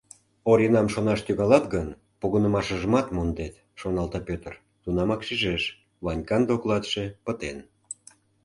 «Оринам шонаш тӱҥалат гын, погынымашыжымат мондет, — шоналта Пӧтыр, тунамак шижеш: Ванькан докладше пытен.